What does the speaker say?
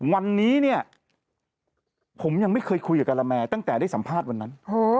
วันนี้เนี่ยผมยังไม่เคยคุยกับกะละแมตั้งแต่ได้สัมภาษณ์วันนั้น